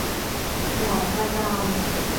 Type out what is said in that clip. หลายประการ